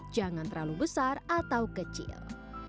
jangan terlalu besar atau kecil